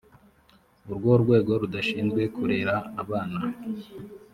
urwo rwego rudashinzwe kurera abana